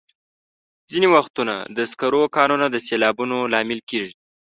ځینې وختونه د سکرو کانونه د سیلابونو لامل کېږي.